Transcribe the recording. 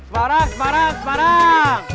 semarang semarang semarang